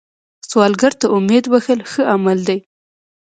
سوالګر ته امید بښل ښه عمل دی